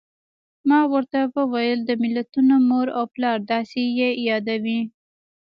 ما ورته وویل: د ملتونو مور او پلار، داسې یې یادوي.